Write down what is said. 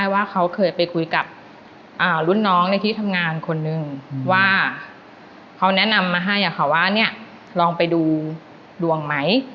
ว่าเค้าแนะนำมาให้อะค่ะว่าเนี่ยลองไปดูดวงไหม